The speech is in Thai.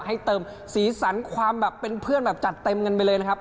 ให้เติมสีสันความเป็นเพื่อนจัดเต็มเงินไปเลยนะครับ